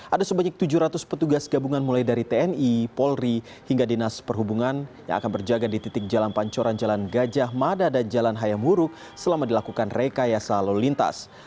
ada sebanyak tujuh ratus petugas gabungan mulai dari tni polri hingga dinas perhubungan yang akan berjaga di titik jalan pancoran jalan gajah mada dan jalan hayam huruk selama dilakukan rekayasa lalu lintas